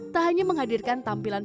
tak hanya menghadirkan tampilan